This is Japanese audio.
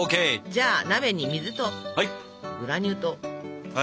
じゃあ鍋に水とグラニュー糖。